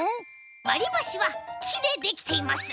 わりばしはきでできています。